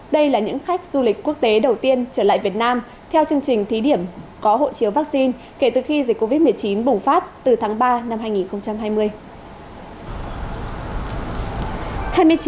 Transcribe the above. đây là những khách du lịch quốc tế đầu tiên trở lại việt nam theo chương trình thí điểm có hộ chiếu vaccine kể từ khi dịch covid một mươi chín bùng phát từ tháng ba năm hai nghìn hai mươi